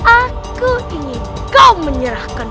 aku ingin kau menyerahkan